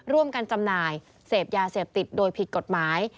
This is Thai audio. จำหน่ายเสพยาเสพติดโดยผิดกฎหมาย